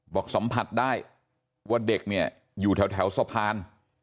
บอกสัมผัสได้ว่าเด็กเนี่ยอยู่แถวสะพาน